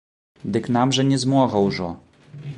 Дык нам жа не змога ўжо.